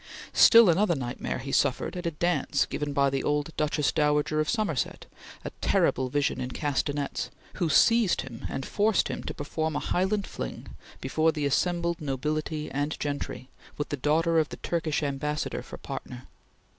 Still another nightmare he suffered at a dance given by the old Duchess Dowager of Somerset, a terrible vision in castanets, who seized him and forced him to perform a Highland fling before the assembled nobility and gentry, with the daughter of the Turkish Ambassador for partner.